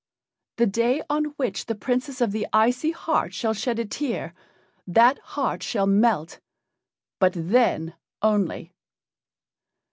"The day on which the Princess of the Icy Heart shall shed a tear, that heart shall melt but then only."